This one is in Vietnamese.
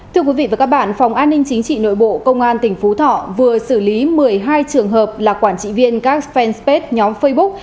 thưa quý vị và các bạn phòng an ninh chính trị nội bộ công an tp thọ vừa xử lý một mươi hai trường hợp là quản trị viên các fan space nhóm facebook